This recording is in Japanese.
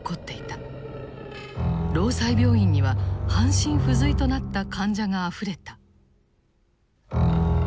労災病院には半身不随となった患者があふれた。